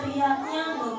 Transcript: tidak diilukan tanahmu